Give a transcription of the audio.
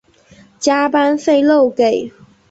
加班费漏给